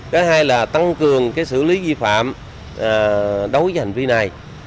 cái hai là tăng cường xử lý vi phạm đối với hành vi này